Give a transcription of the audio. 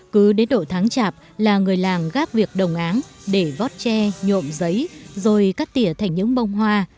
cứ đến độ tháng chạp là người làng gác việc đồng áng để vót tre nhộm giấy rồi cắt tỉa thành những bông hoa